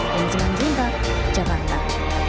dengan cinta jawabkan